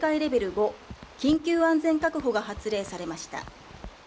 ５緊急安全確保が発令されました。